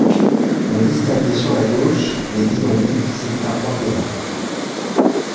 On distinguait sur la gauche les bidonvilles qui s’étaient implantés là.